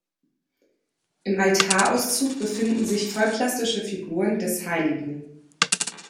Im Altarauszug befinden sich vollplastische Figuren des Hl.